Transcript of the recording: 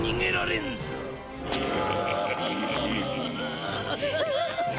ああ。